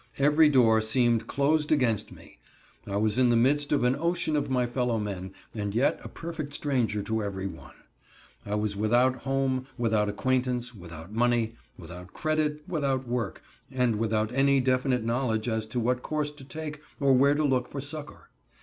Every door seemed closed against me. I was in the midst of an ocean of my fellow men, and yet a perfect stranger to every one. I was without home, without acquaintance, without money, without credit, without work, and without any definite knowledge as to what course to take, or where to look for succor.